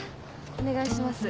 お願いします。